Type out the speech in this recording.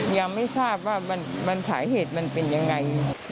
ยังไม่ทราบว่าสาเหตุมันเป็นยังไง